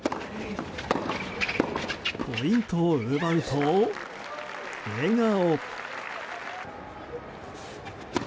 ポイントを奪うと、笑顔！